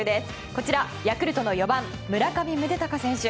こちら、ヤクルトの４番村上宗隆選手。